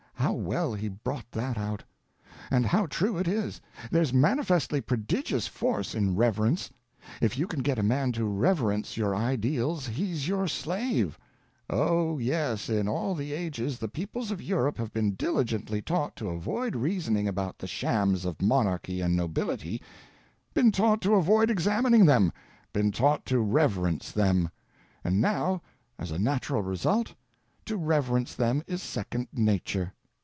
How well he brought that out, and how true it is. There's manifestly prodigious force in reverence. If you can get a man to reverence your ideals, he's your slave. Oh, yes, in all the ages the peoples of Europe have been diligently taught to avoid reasoning about the shams of monarchy and nobility, been taught to avoid examining them, been taught to reverence them; and now, as a natural result, to reverence them is second nature.